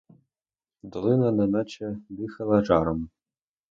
Долина неначе дихала жаром.